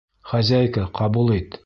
Хозяйка, ҡабул ит!